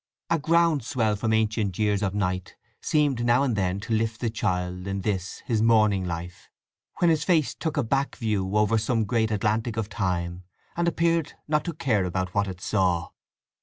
A ground swell from ancient years of night seemed now and then to lift the child in this his morning life, when his face took a back view over some great Atlantic of Time, and appeared not to care about what it saw.